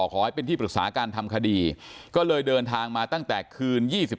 ขอให้เป็นที่ปรึกษาการทำคดีก็เลยเดินทางมาตั้งแต่คืน๒๓